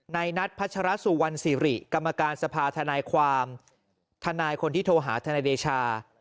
นายนัทพัชรสุวรรณสิริกรรมการสภาธนายความทนายคนที่โทรหาทนายเดชา